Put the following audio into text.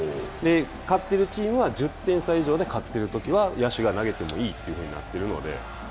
勝っているチームは１０点差以上で勝っているときは野手が投げてもいいとなっているので。